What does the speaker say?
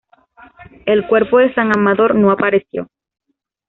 El cuerpo de San Amador no apareció.